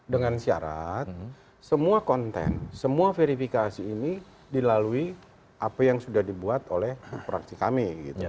dengan syarat semua konten semua verifikasi ini dilalui apa yang sudah dibuat oleh praksi kami